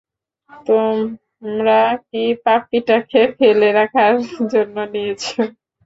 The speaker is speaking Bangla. তোমরা কি পাপ্পিটাকে ফেলে রাখার জন্য নিয়েছ?